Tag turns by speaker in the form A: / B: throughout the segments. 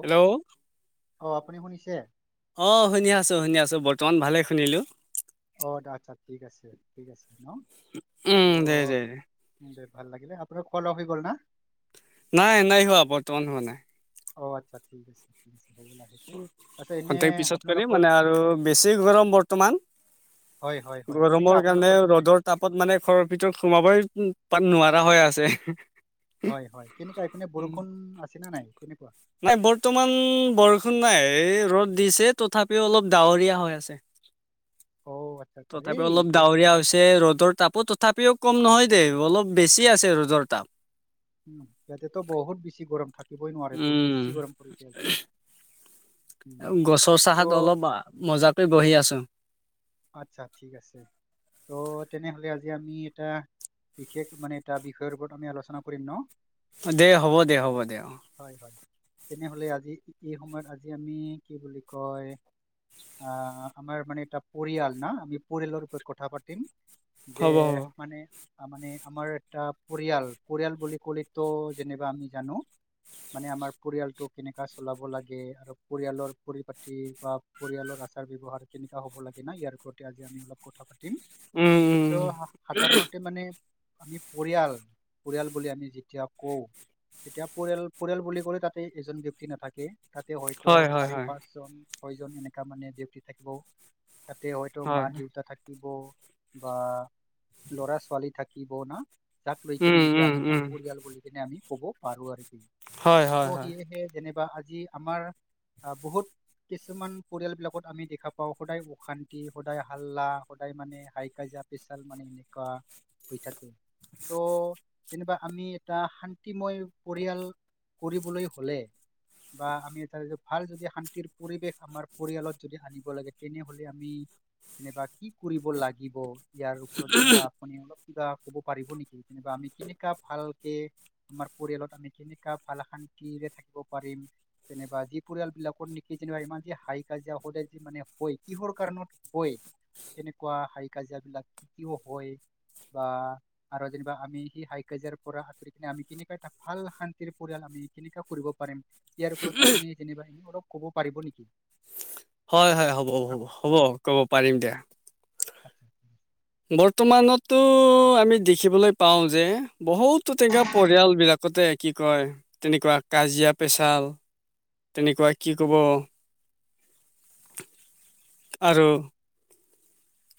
A: Hello
B: অ আপুনি শুনিছে
A: অ শুনি আছো শুনি আছো বৰ্তমান ভালে শুনিলো।
B: অ আচ্ছা ঠিক আছে ঠিক আছে। ন ত'
A: উম দে দে দে
B: দে ভাল লাগিলে আপোনাৰ খল অফ হৈ গ'ল না
A: নাই এ নাই হোৱা বৰ্তমান হোৱা নাই।
B: অ আচ্ছা ঠিক আছে ঠিক আছে হ'ব লাহেকে আচ্ছা এনে
A: খন্তেক পিছত কৰিম
B: আপোনালোকৰ
A: মানে আৰু বেছি গৰম বৰ্তমান।
B: হয় হয় হয় কেনেকা
A: গৰমৰ কাৰণে
B: আপোনালোকৰ মানে
A: ৰ'দৰ তাপত মানে ঘৰৰ ভিতৰত সোমাবই নোৱাৰা হৈ আছে।
B: হয় হয় কেনেকুৱা এইপিনে বৰষুণ আছে নে নাই কেনেকুৱা
A: নাই বৰ্তমান বৰষুণ নাই ৰ'দ দিছে তথাপিও অলপ ডাৱৰীয়া হৈ আছে।
B: অ আচ্ছা আচ্ছা
A: তথাপিও
B: এই
A: অলপ
B: ইয়ে-
A: ডাৱৰীয়া হৈছে ৰ'দৰ তাপো তথাপিও কম নহয় দেই অলপ বেছি আছে ৰ'দৰ তাপ
B: উ ইয়াতেতো বহুত বেছি গৰম থাকিবই নোৱাৰে বহুত
A: উম
B: বেছি গৰম পৰিছে আজি উম
A: গছৰ চাহত
B: ত'
A: অলপ মজা কৰি বহি আছো।
B: আচ্ছা ঠিক আছে ত' তেনেহলে আজি আমি এটা বিশেষ মানে এটা বিষয়ৰ ওপৰত আমি আলোচনা কৰিম ন।
A: দে হ'ব দে হ'ব দে অ
B: হয় হয় তেনেহলে আজি এই সময়ত আজি আমি কি বুলি কয় আহ আমাৰ মানে এটা পৰিয়াল না আমি পৰিয়ালৰ ওপৰত কথা পাতিম যে
A: হ'ব হ'ব
B: মানে মানে আমাৰ এটা পৰিয়াল পৰিয়াল বুলি কলেতো যেনিবা আমি জানো মানে আমাৰ পৰিয়ালটো কেনেকা চলাব লাগে আৰু পৰিয়ালৰ পৰিপাটি বা পৰিয়ালৰ আচাৰ ব্যৱহাৰ কেনেকা হ'ব লাগে ইয়াৰ ওপতে আজি আমি অলপ কথা পাতিম
A: উম উম
B: চ' সাধাৰণতে মানে আমি পৰিয়াল পৰিয়াল বুলি আমি যেতিয়া কও এতিয়া পৰিয়াল পৰিয়াল বুলি ক'লে তাতে এজন ব্যক্তি নাথাকে। তাতে হয়তো
A: হয় হয়
B: চাৰি
A: হয়
B: পাঁচজন ছয় জন এনেকা মানে ডিউটি থাকিবও তাতে হয়তো মা
A: হয়
B: দেউতা থাকে থব বা ল'ৰা ছোৱালী থাকিব না। যাক লৈ কেনে
A: উম
B: নেকি
A: উম
B: আমি ত
A: উম
B: পৰিয়াল বুলি কিনে আমি ক'ব পাৰো আৰু।
A: হয়
B: চ
A: হয়
B: সি
A: হয়
B: হে যেনে বা আজি আমাৰ বহুত কিছুমান পৰিয়াল বিলাকত আমি দেখা পাও সদায় অশান্তি সদায় হাল্লা সদায় মানে হাই কাজিয়া পেচাল মানে এনেকোৱা হৈ থা ত যেনিবা আমি এটা শান্তিময় পৰিয়াল কৰিবলৈ হলে বা আমি ভাল যদি শান্তিৰ পৰিৱেশ আমাৰ পৰিয়ালত যদি আনিব লাগে তেনে আমি যেনিবা কি কৰিব লাগিব ইয়াৰ ওপৰত যেনিবা আপুনি অলপ কিব বা ক'ব পাৰিব নেকি যেনিবা আমি কেনেকা ভালকে আমাৰ পৰিয়ালত আমি কেনেকোৱা ভাল শান্তিৰে থাকিব পাৰিম যেনিবা যি পৰিয়াল বিলাকৰ নিকি যেনিবা ইমান যি হাই কাজিয়া সদায় যি মানে হয় কিহৰ কাৰণত হয় তেনেকুৱো হাই কাজিয়াবিলাক কিয় হয়। বা আৰু যেনিবা আমি সি হাই কাজিয়াৰ পৰা আতৰি কিনে আমি কেনেকোৱা এটা ভাল শান্তিৰ পৰিয়াল যি কেনেকোৱা কৰিব পাৰিম ইয়াৰ ওপৰত আপুনি যেনিবা অলপ কব পাৰিব নেকি
A: হয় হয় হ'ব
B: আ-
A: হ'ব হ'ব ক'ব পাৰিম দিয়া
B: আচ্ছা।
A: বৰ্তমানতো আমি দেখিবলৈ পাও যে বহুতো তেনেকা পৰিয়াল বিলাক যাতে কি কয় তেনেকোৱা কাজিয়া পেচাল তেনেকোৱা কি কব। আৰু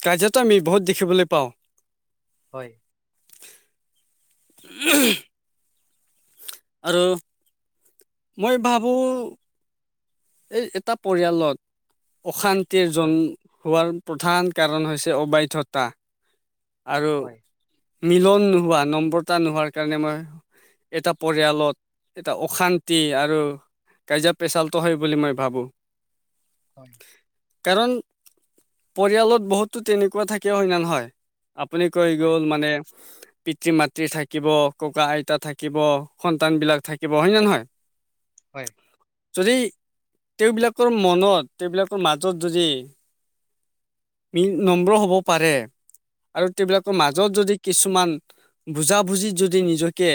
A: কাজিয়াতো আমি বহুত দেখিবলৈ পাও
B: হয়
A: উম আৰু মই ভাবো এই এটা পৰিয়ালত অশান্তিৰ
B: হয়
A: জন্ম হোৱাৰ প্ৰধান কাৰণ হৈছে অবৈধতা আৰু
B: হয়
A: মিলন নো হোৱা নম্ৰতা এটা নোহোৱাৰ কাৰণে মই এটা পৰিয়ালত এটা অশান্তি আৰু কাজিয়া পেচালটো হয় বুলি মই ভাবো
B: হয় হয়
A: কাৰণ পৰিয়ালত বহুতো তেনেকোৱা থাকেও হয় ন নহয় আপুনি কৈ গ'ল মানে পিতৃ মাতৃ থাকিব ককা আইতা থাকিব সন্তান বিলাক থাকিব হয় নে নহয়
B: হয়
A: যদি তেওঁবিলাকৰ মনত তেওঁবিলাকৰ মাজত যদি নম্ৰ হব পাৰে আৰু তেওঁবিলাকৰ
B: হয়
A: মাজত যদি কিছুমান বুজা বুজি যদি নিজকে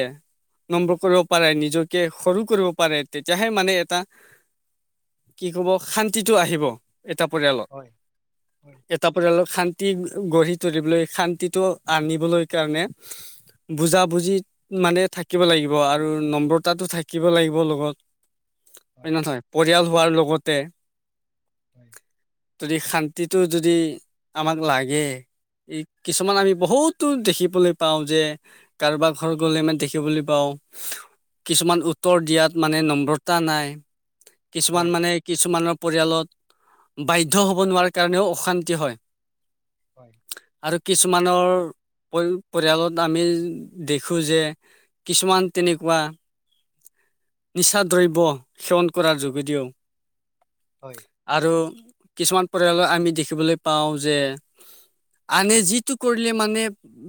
A: নম্ৰ কৰিব পাৰে নিজকে সৰু কৰিব পাৰে তেতিয়াহে মানে এটা কি কব শান্তিটো আহিব এটা পৰিয়ালত
B: হয় হয়
A: এটা পৰিয়ালৰ শান্তি গঢ়ি তুলিবলৈ শান্তিটো আনিবলৈ কাৰণে বুজা বুজি মানে থাকিব লাগিব আৰু নম্ৰতাতো থাকিব লাগিব লগত হয় নহয় পৰিয়াল হোৱাৰ লগতে
B: হয়
A: যদি শান্তিটো যদি আমাক লাগে ই কিছুমান আমি বহুতো দেখিবলৈ পাওঁ যে কাৰোবাৰ ঘৰ গলে মানে দেখিবলৈ পাওঁ কিছুমান উত্তৰ দিয়াত মানে নম্ৰতা নাই
B: হয়
A: কিছুমান
B: হয়
A: মানে কিছুমানৰ পৰিয়ালত বাধ্য হ'ব নোৱাৰাৰ কাৰণেও অশান্তি হয়।
B: হয়।
A: আৰু কিছুমানৰ পৰি পৰিয়ালত আমি দেখোঁ যে কিছুমান তেনেকুৱা নিচা দ্ৰব্য সেৱন কৰাৰ যুগ দিও
B: হয়
A: আৰু কিছুমান পৰিয়ালৰ আমি দেখিবলৈ পাওঁ যে আনে যিটো কৰিলে মানে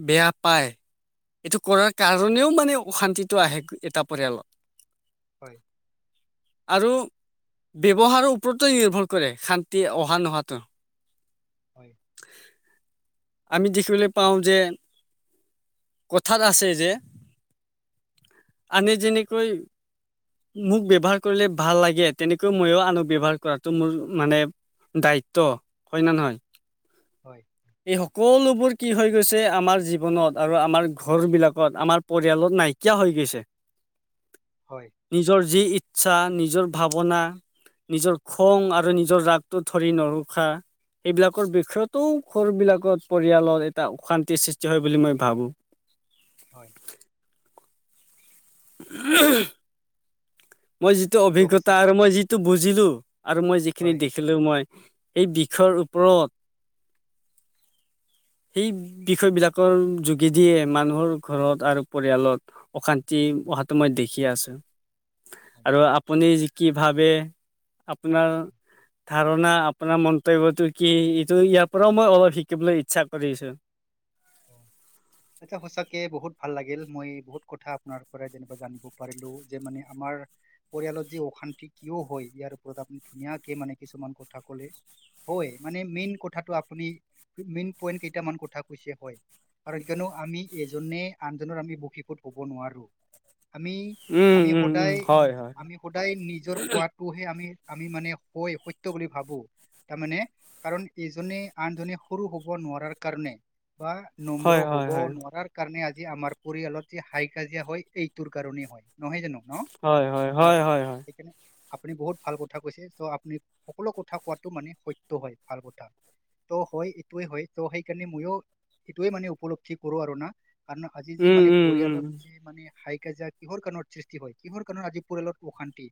A: বেয়া পায় এইটো কৰাৰ কাৰণেও মানে অশান্তিটো আহে এটা পৰিয়ালত
B: [inaudible]
A: আৰু ব্যৱহাৰৰ ওপৰতে নিৰ্ভৰ কৰে শান্তি অহা নোহাটো
B: হয়
A: আমি দেখিবলৈ পাওঁ যে কথাত আছে যে আনি যেনেকৈ মোক ব্যৱহাৰ কৰিলে ভাল লাগে তেনেকৈ মইয়ো আনো ব্যৱহাৰ কৰাটো মোৰ মানে দায়িত্ব হয় নে নহয়
B: হয়
A: এই সকলোবোৰ কি হৈ গৈছে আমাৰ জীৱনত আৰু আমাৰ ঘৰবিলাকত আমাৰ পৰিয়ালত নাইকিয়া হৈ গৈছে
B: হয়
A: নিজৰ যি ইচ্ছা নিজৰ ভাৱনা নিজৰ খং আৰু নিজৰ ৰাগটো ধৰি নৰখা সেইবিলাকৰ বিষয়তো ঘৰুবিলাকত পৰিয়ালৰ এটা অশান্তিৰ সৃষ্টি হয় বুলি মই ভাবোঁ। [inaudible]
B: হয়
A: উ মই যিটো
B: ত'
A: অভিজ্ঞতা
B: সঁচা
A: আৰু মই যিটো বুজিলো আৰু মই যিখিনি
B: হয় হয়
A: দেখিলো মই সেই বিষয়ৰ প্ৰত সেই বিষয় বিলাকৰ যোগেদিয়ে মানুহৰ ঘৰত আৰু পৰিয়ালত অশান্তি অহাটো মই দেখিয় আছো
B: হয় হয় হয়
A: আৰু আপুনি কি ভাবে আপোনাৰ ধাৰণা আপোনাৰ মন্তব্যটো কি এইটো ইয়াৰ পৰাও মই অলপ শিকিবলৈ ইচ্ছা কৰিছো [inaudible]
B: আচা সঁচাকে বহুত ভাল লাগিল মই বহুত কথা আপোনাৰ পৰাই যেনিবা জানিব পাৰিলো যে মানে আমাৰ পৰিয়ালত যি অশান্তি কিয় হয় ইয়াৰ ওপৰত আপুনি ধুনীয়াকে মানে কিছুমান কথা কলে মানে মেইন কথাটো আপুনি মেইন পইণ্ট কেইটামান কথা কৈছে হয় কাৰণ কিয়নো আমি এজনে আনজনৰ আমি বুখিপত ক'ব নোৱাৰোঁ আমি
A: উম
B: আমি
A: উম উম
B: সদায়
A: হয় হয়
B: আমি সদায় নিজৰ কোৱাটোহে আমি আমি মানে হয় সত্য বুলি ভাবো তাৰ মানে কাৰণ ইজনে আনজনে সৰু হব নোৱাৰাৰ কাৰণে বা নম্ৰ
A: হয়
B: হ'ব
A: হয় হয়
B: নোৱাৰাৰ কাৰণে আজ আমাৰ পৰিয়ালত যি হাই কাজিয়া হয় এইটোৰ কাৰণেই হয় নহয় জানো ন
A: হয় হয়
B: অ
A: হয় হয় হয়
B: সেইকাৰণে আপুনি বহুত ভাল কথা কৈছে চ' আপুনি সকলো কথা কোৱাটো মানে সত্য হয় ভাল কথা হয় এটোই হয় সেই কাৰণে মইয়ো সেইটোৱে মানে উপলব্ধি কৰো আৰু না কাৰণ আজি যি
A: উম
B: মানে
A: উম উম
B: পৰিয়ালত যি মানে হাই কিহৰ কাৰণত সৃষ্টি হয় কিহৰ কাৰণত আজি পৰিয়ালত অশান্তি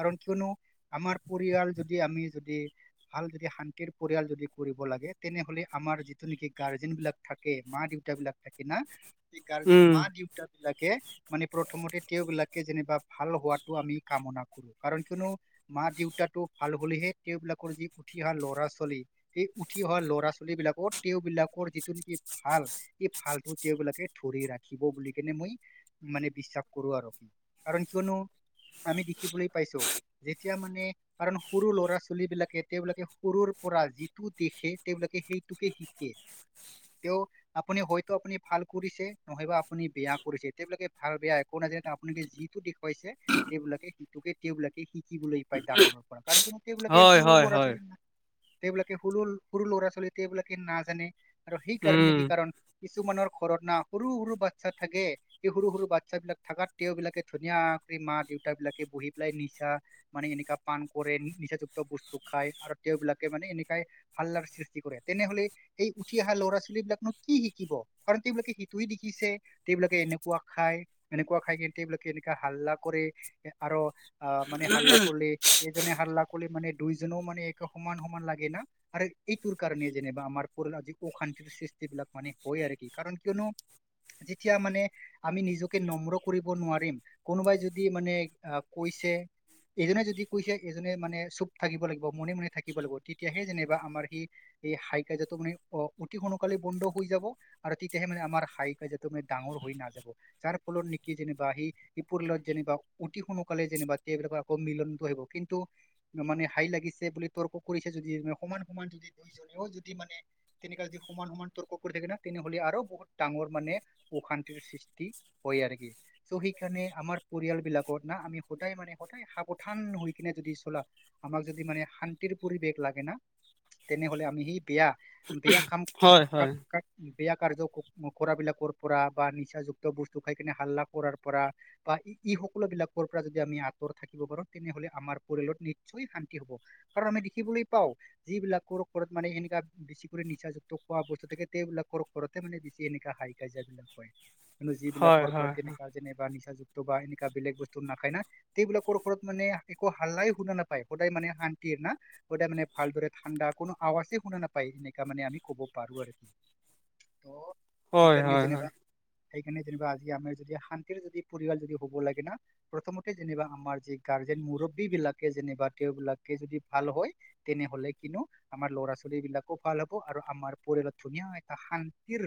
B: কাৰণ কিয়নো আমাৰ পৰিয়াল আমি যদি ভাল যদি শান্তিৰ পৰিয়াল যদি কৰিব লাগে তেনেহলে আমাৰ যিটো নেকি গা- ৰ্জেন বিলাক থাকে মা দেউতা বিলাক থাকে না সেই গাৰ্জেন
A: উম
B: মা দেউতাক লাকে মানে প্ৰথমতে তেওঁবিলাকে যেনিবা ভাল হোৱাটো আমি কামনা কৰো কাৰণ কিয়নো মা দেউতাটো ভাল হ'লেহে তেওঁবিলাকৰ যি উঠি অহা ল'ৰা ছোৱালী সেই উঠি অহা ল'ৰা ছোৱালী বিলাকত তেওঁ বিলাকৰ যিটো নেকি ভাল এই ভালটো তেওঁবলাকে ধৰি ৰাখিব বুলি কেনে মই মানে বিশ্বাস কৰো আৰ। কাৰণ কিয়নো আমি দেখিবলৈ পাইছো যেতিয়া মানে কাৰণ সৰু ল'ৰা ছোৱালী বিলাকে তেওঁবিলাকে সৰুৰ পৰা যিটো দেখে তেওঁলোকে সেইটোকে শিকে।
A: [inaudible]
B: তেঁও আপুনি হয়তো আপুনি ভাল কৰিছে, নহয় বা আপুনি বেয়া কৰিছে, তেওঁবিলাকে ভাল বেয়া একো নাজানে পোনেকে যিটো দেখুৱাইছে সেইবিলাকে সেইটোকে তেওঁবিলাকে সিটোকে তেওঁবিলাকে শি- কি বলে পায় ডাঙৰ পৰা কাৰণ তোমাকে বিলাকে
A: হয়
B: সৰু
A: হয়
B: ল'ৰা
A: হয়
B: ছোৱালী নাই তেওঁবিলাকে সৰু সৰু ল'ৰা ছোৱালী তেওঁবিলাকে নাজানে আৰু সেইকাৰণে নে
A: উম
B: কি কাৰণ কিছুমানৰ ঘৰত না সৰু সৰু বাচ্ছা থাকে, সেই সৰু সৰু বাচ্ছা বিলাক থাকাত তেওঁবিলাকে ধুনীয়া ৰে মা দেউতা বিলাকে বহি পেলাই নিচা মানে এনেকা পান কৰে নিচাযুক্ত বস্তু খাই আৰু তেওঁবিলাকে মানে এনেকাই হাল্লাৰ সৃষ্টি কৰে, তেনেহলে এই উঠি অহা ল'ৰা- এই বিলাকনো কি শিকিব কাৰণ তেওঁবিলাকে সিটোৱে দেখিছে, তেওঁবিলাকে এনেকুৱা খাই এনেকুৱা খাই কি গোটেইবিলাকে এনেকে হাল্লা কৰে আৰ অ মানে হাল্লা কৰলে এইজনে হাল্লা কৰলে মানে দুইজনও মানে এক সমান সমান লাগে না আৰু এইটোৰ কাৰণে যেনিবা আমাৰ পৰলাজিটো অশান্তি সৃষ্টি বিলাক মানে হয় আৰু কি কাৰণ কিয়নো যেতিয়া মানে আমি নিজকে নম্ৰ কৰিব নোৱাৰিম, কোনোবাই যদি মানে কৈ- ছে। এইজনে যদি কৈছে এজনে মানে চুপ থাকিব লাগিব মনে মনে থাকিব লাগিব, তেতিয়াহে যেনিবা আমাৰ সি এই হাই কাজিয়াটো মানে অ অতি সোনকালে বন্ধ হৈ যাব আৰু তেতিয়াহে মানে আমাৰ হাই কাজিয়াটো মানে ডাঙৰ হৈ নাযাব, যাৰ ফলত কি যেনিবা সি পৰিয়ালত যেনিবা অতি সোনোকালে যেনিবা তেওঁবিলাকৰ আকৌ মিলনটো আহিব। কিন্তু মানে হাই লাগিছে বুলি তৰ্ক কৰিছে যদি সমান সমান য দুইজনেও যদি মানে তেনে কা যদি সমান সমান তৰ্ক কৰি থাকো তেনে হলে আৰু বহুত ডাঙৰ মান অশান্তিৰ সৃষ্টি হয়ে। ইয়াৰে কি চো সেইকাৰে আমাৰ পৰিয়াল বিলাকত না আমি সদায় মানে সদায় সাৱধান হৈ কিনে যদি চলা, আমাক যদি মানে শান্তিৰ পৰিৱেশ লাগে না তেনেহলে আমি সি বেয়া, বেয়া খাম
A: হয়
B: কা
A: হয়
B: কা ক বেয়া কাৰ্য কৰা বিলাকৰ পৰা বা নিচা যুক্ত বস্তু খাই কিনে হাল্লা কৰাৰ পৰা বা ই সকলো বিলাকৰ পৰা যদি আমি আঁতৰত থাকিব পাৰো, তেনেহলে আমাৰ পৰিয়ালত নিশ্চয় শান্তি হব, কাৰণ আমি দেখিবলৈ পাও যিবিলাকৰ ওৰত মানে সেনেকা বেছি নিচাযুক্ত খোৱা অৱস্থা থাকে তেবলিলাকৰ ঘৰতে মানে বেছি এনে হাই কাজিয়া বিলাক হয়।
A: হয়
B: যিবিলাকৰ ঘৰত
A: হয়
B: তেনেকুৱা যেনেকা নিচা যুক্ত বা এনেকুৱা বেলেগ বস্তু নাখায় না তেওঁবিলাকৰ ঘৰত মানে একো হাল্লাই শুনা নাপায় সদায় মানে শান্তি কেনা সদায় মানে ভালদৰে ঠাণ্ডা কোনো আৱাজে শুনা নাপায় নেক- তামানে আমি ক'ব পাৰো আৰু কি ত
A: হয়
B: সেইকাৰণে
A: হয় হয়
B: যেনিবা সেইকাৰণে যেনিবা আজি আমাৰ যদি শান্তিৰ যদি পৰিয়াল যদি হ'ব লাগে না প্ৰথমতে যেনিবা আমাৰ যি গা- আৰ্জেন মুৰব্বীবিলাকে যেনেকা তেওঁবিলাকে যদি ভাল হয় তেনেহলে কিনো আমাৰ ল'ৰা ছোৱালীক যিবিলাকক ভাল হব আৰু আমাৰ পৰিয়ালত ধুনীয়া এটা শান্তিৰ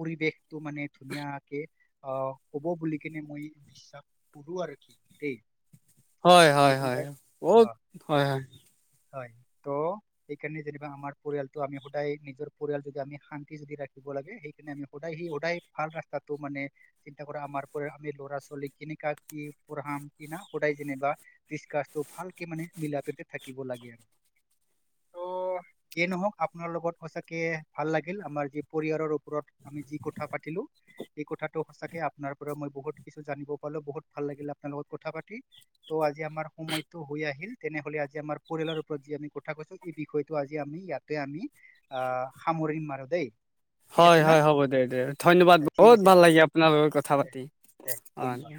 B: পৰিৱেশটো মানে ধুনীয়াকে অ অহ হ'ব বুলি কেনে মই বিশ্বাস কৰো আৰু কি দেই।
A: হয়
B: মই
A: হয় হয়
B: তেনেকুৱাই
A: বৰোত
B: অ
A: হয় হয়।
B: হয় ত সেইকাৰণে যেনিবা আমাৰ পৰিয়ালটো আমি সদায় নিজৰ পৰিয়াল যদি আমি শান্তি যদি ৰাখিব লাগে সেইকাৰণে আমি সদায় সি সদায় ভাল ৰাস্তাটো মানে চিন্তা কৰা আমাৰ পৰা আমি ল'ৰা ছোৱালী খিনিক কাক কি পঢ়াম কিনা সদায় যেনিবা দিস্কাছ ত ভালকে মানে মিলাাপীতে থাকিব লাগে।
A: [inaudible]
B: তো যিয়ে নহওঁক আ আপোনাৰ লগত সঁচাকে ভাল লাগিল। আমাৰ যি পৰিয়াৰৰ ওপৰত আমি যি কথা পাতিলোঁ। এই কথাটো সঁচাকে আপোনাৰ পৰা মই বহুত কিছু জানিব পালোঁ। বহুত ভাল লাগিল আপোনাৰ লগত কথা পাতি। তো আজি আমাৰ সময়টো হৈ আহিল। তেনেহলে আজি আমাৰ পৰিয়ালৰ ওপৰত যি আমি কথা কৈছোঁ, এই বিষয়টো আজি আমি ইয়াত তে আমি অ'- সামৰিম আৰু দেই। ঠিক
A: হয়
B: আছে
A: -
B: না
A: হয়। হ'ব দে - দে। ধন্যবাদ।
B: দে, ঠিক
A: বহুত
B: আছে
A: ভাল লাগিল আপোনাৰ লগত কথা
B: অ, দে
A: পাতি।
B: দে
A: অ', দিয়া।
B: ধন্যবাদ।